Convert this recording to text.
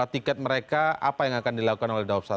ticket mereka apa yang akan dilakukan oleh dawab satu pak